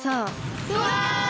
うわ！